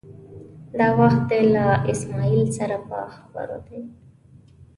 دا وخت دی له اسمعیل سره په خبرو دی.